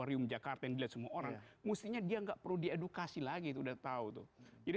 arium jakarta yang dilihat semua orang mestinya dia enggak perlu diedukasi lagi udah tahu tuh jadi